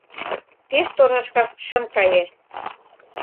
Пеш торашкак шым кае.